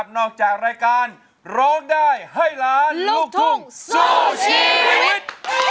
นอกจากรายการร้องได้ให้ล้านลูกทุ่งสู้ชีวิต